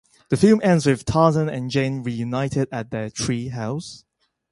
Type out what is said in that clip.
The film ends with Tarzan and Jane reunited at their tree house.